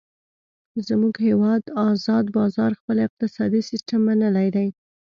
زمونږ هیواد ازاد بازار خپل اقتصادي سیستم منلی دی.